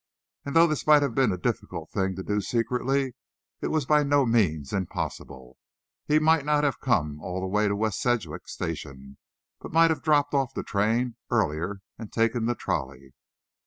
And though this might have been a difficult thing to do secretly, it was by no means impossible. He might not have come all the way to West Sedgwick Station, but might have dropped off the train earlier and taken the trolley.